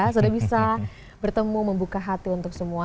sudah bisa bertemu membuka hati untuk semua